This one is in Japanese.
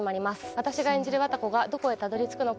私が演じる綿子がどこへたどり着くのか。